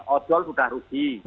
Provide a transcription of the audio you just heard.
odol sudah rugi